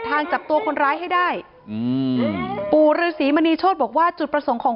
จับตัวคนร้ายให้ได้อืมปู่ฤษีมณีโชธบอกว่าจุดประสงค์ของ